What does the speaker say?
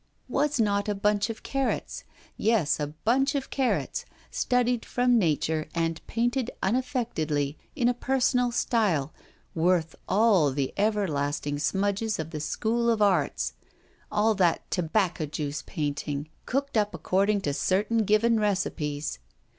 Was not a bunch of carrots yes, a bunch of carrots studied from nature, and painted unaffectedly, in a personal style, worth all the ever lasting smudges of the School of Arts, all that tobacco juice painting, cooked up according to certain given recipes?